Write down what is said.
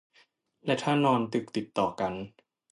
และถ้านอนดึกติดต่อกัน